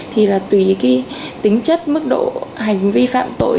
thì là tùy cái tính chất mức độ hành vi phạm tội